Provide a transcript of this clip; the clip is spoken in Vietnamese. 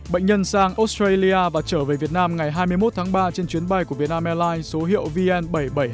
bệnh nhân sang australia và trở về việt nam ngày hai mươi một tháng ba trên chuyến bay của vietnam airlines số hiệu vn bảy trăm bảy mươi hai